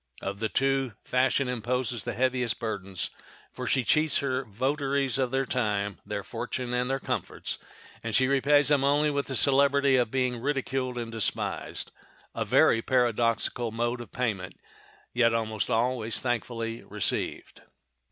Of the two, fashion imposes the heaviest burdens, for she cheats her votaries of their time, their fortune, and their comforts, and she repays them only with the celebrity of being ridiculed and despised—a very paradoxical mode of payment, yet always most thankfully received.